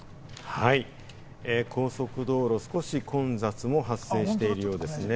はい、高速道路、少し混雑も発生しているようですね。